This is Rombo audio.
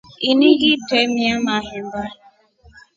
Ini ngitremia mahemba.